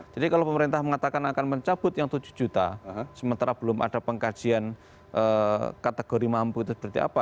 jadi kalau pemerintah mengatakan akan mencabut yang tujuh juta sementara belum ada pengkajian kategori mampu itu berarti apa